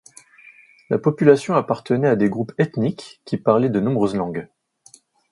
La population appartenait à des groupes ethniques, qui parlaient de nombreuses langues.